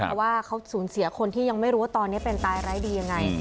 เพราะว่าเขาสูญเสียคนที่ยังไม่รู้ว่าตอนนี้เป็นตายร้ายดียังไง